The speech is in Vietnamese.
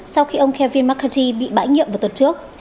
sau khi ông kevin mccarthy bị bãi nhiệm vào tuần trước